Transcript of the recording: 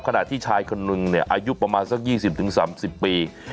ขณะที่ชายคนนึงเนี่ยอายุประมาณสัก๒๐๓๐ปี